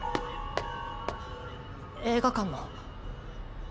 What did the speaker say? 映画館の。